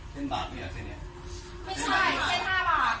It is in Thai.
พอล่ะไม่ใช่เส้นห้าบาท